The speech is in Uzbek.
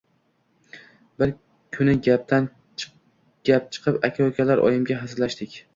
Bir kuni gapdan-gap chiqib, aka-ukalar oyimga hazillashdik.